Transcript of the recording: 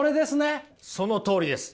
そのとおりです。